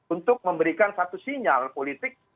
untuk memberikan satu sinyal politik